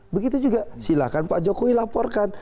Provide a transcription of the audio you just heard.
begitu juga silahkan pak jokowi laporkan